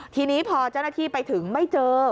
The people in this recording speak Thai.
ทีนี้พอเจ้าหน้าที่ไปถึงไม่เจอ